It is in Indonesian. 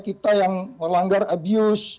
kita yang melanggar abuse